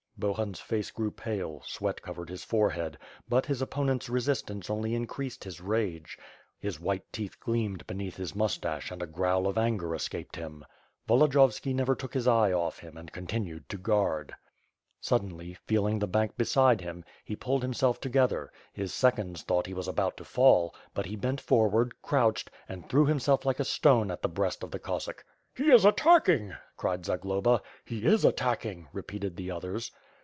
Bohun's face grew pale, sweat covered his forehead; but his opponent's resistance only increased his rage, his white teeth 556 WITH FIRE AND SWORD, ^^y gleamed beneath his moustache and a growl of anger escaped him. Volodiyovski never took his eye off him and continued to guard. Suddenly, feeling the bank beside him, ne pulled himself together; his seconds thought he was about to fall; but he bent forward, crouched, and threw himself like a stone at the brea»t of the Cossack. "He is attacking/^ cried Zagloba. "He is attacking/^ repeated the others.